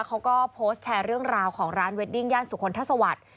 เขาก็โพสต์แชร์เรื่องราวของร้านเวดดิ้งย่านสุคลทัศวรรค์